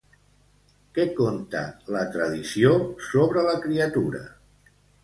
Què conta la tradició sobre la criatura?